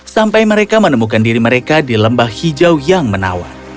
sampai mereka menemukan diri mereka di lembah hijau yang menawan